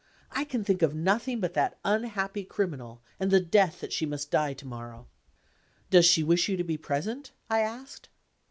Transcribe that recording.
I can think of nothing but that unhappy criminal, and the death that she must die to morrow." "Does she wish you to be present?" I asked.